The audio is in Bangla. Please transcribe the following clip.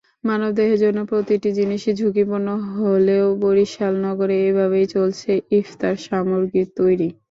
মানবদেহের জন্য প্রতিটি জিনিসই ঝুঁকিপূর্ণ হলেও বরিশাল নগরে এভাবেই চলছে ইফতারসামগ্রী তৈরি।